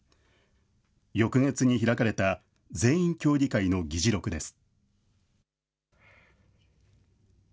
翌月に開かれた全員協議会の議事録です。